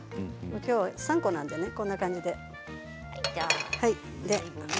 今日は３個なのでこんな感じで。